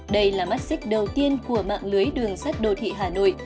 đây là mắt xích đầu tiên của mạng lưới đường sắt đô thị hà nội